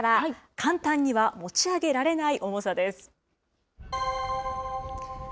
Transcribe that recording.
簡単には持ち上げられない重さです。